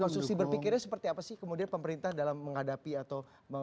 konstruksi berpikirnya seperti apa sih kemudian pemerintah dalam menghadapi atau